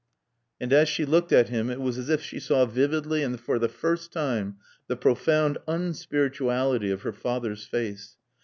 And as she looked at him it was as if she saw vividly and for the first time the profound unspirituality of her father's face.